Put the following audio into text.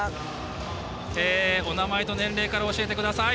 お名前と年齢から教えてください。